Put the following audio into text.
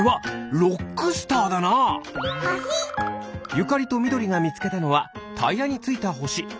ゆかりとみどりがみつけたのはタイヤについたほし。